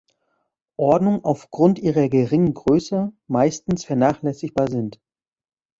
Ordnung aufgrund ihrer geringen Größe meistens vernachlässigbar sind.